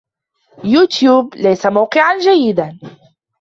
يوتيوب ليس موقعًا جيدا.